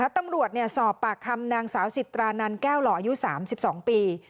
ตำรวจสอบปากคำนางสาวสิตรานันแก้วหล่ออายุ๓๒ปี